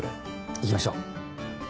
行きましょう。